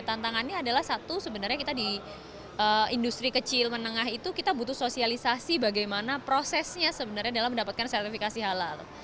tantangannya adalah satu sebenarnya kita di industri kecil menengah itu kita butuh sosialisasi bagaimana prosesnya sebenarnya dalam mendapatkan sertifikasi halal